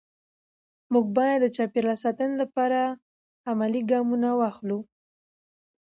موږ باید د چاپېریال ساتنې لپاره عملي ګامونه واخلو